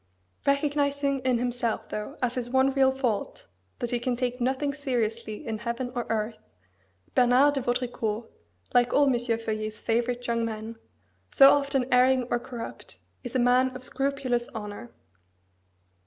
Recognising in himself, though as his one real fault, that he can take nothing seriously in heaven or earth, Bernard de Vaudricourt, like all M. Feuillet's favourite young men, so often erring or corrupt, is a man of scrupulous "honour."